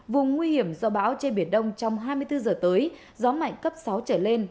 vùng nguy hiểm do bão trên biển đông trong hai mươi bốn giờ tới gió mạnh cấp sáu trở lên